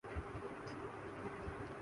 فرانسیسی